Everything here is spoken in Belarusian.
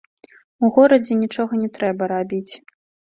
У горадзе нічога не трэба рабіць.